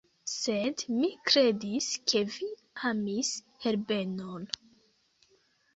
Sed mi kredis, ke vi amis Herbenon.